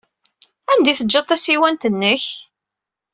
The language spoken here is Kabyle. Anda ay teǧǧid tasiwant-nnek?